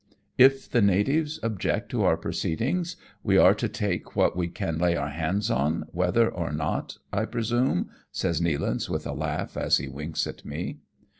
" If the natives object to our proceedings, we are to take what we can lay our hands on whether or not, I presume?" says Nealance with a laugh as he winks at me.